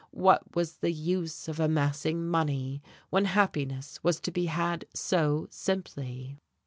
What was the use of amassing money, when happiness was to be had so simply?